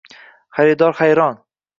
Xaridor hayron.